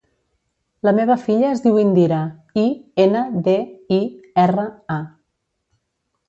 La meva filla es diu Indira: i, ena, de, i, erra, a.